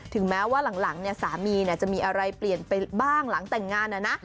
ถึงแม้ว่าหลังเนี่ยสามีเนี่ยจะมีอะไรเปลี่ยนไปบ้างหลังแต่งงานอะนะ